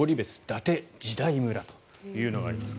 伊達時代村というのがあります。